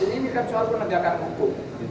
ini kan soal penegakan hukum